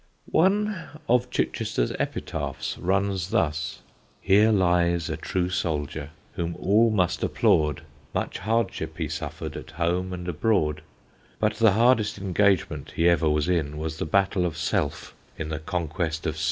One of Chichester's epitaphs runs thus: Here lies a true soldier, whom all must applaud; Much hardship he suffer'd at home and abroad; But the hardest engagement he ever was in, Was the battle of Self in the conquest of Sin.